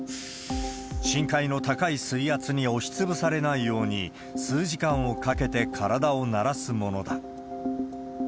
深海の高い水圧に押しつぶされないように、数時間をかけて体を慣らすものだ。